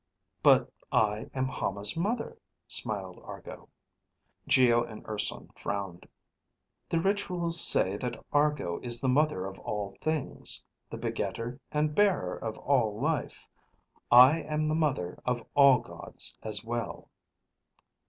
"But I am Hama's mother," smiled Argo. Geo and Urson frowned. "The rituals say that Argo is the mother of all things, the begetter and bearer of all life. I am the mother of all gods as well."